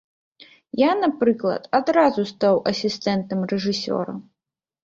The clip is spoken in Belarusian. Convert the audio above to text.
Я, напрыклад, адразу стаў асістэнтам рэжысёра.